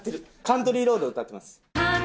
『カントリー・ロード』歌ってます。